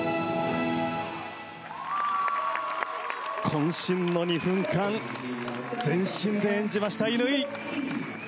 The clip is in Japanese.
渾身の２分間全身で演じました、乾！